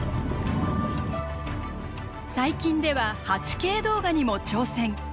最近では８Ｋ動画にも挑戦！